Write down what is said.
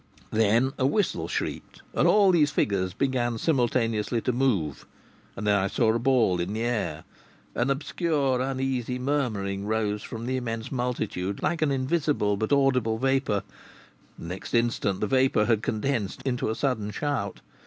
Then a whistle shrieked, and all these figures began simultaneously to move, and then I saw a ball in the air. An obscure, uneasy murmuring rose from the immense multitude like an invisible but audible vapour. The next instant the vapour had condensed into a sudden shout.